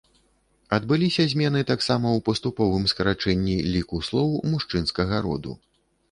Адбыліся змены таксама ў паступовым скарачэнні ліку слоў мужчынскага роду.